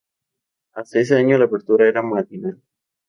Hasta ese año, la apertura era matinal.